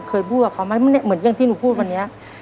เคยพูดกับเขาไหมเหมือนที่หนูพูดวันนี้